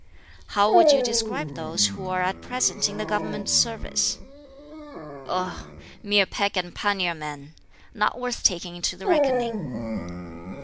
"How would you describe those who are at present in the government service?" "Ugh! mere peck and panier men! not worth taking into the reckoning."